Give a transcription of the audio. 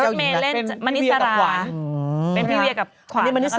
แรกสอนร้างกับแหนัฐ